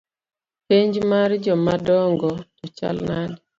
Penj mar jomadongo to chalo nade?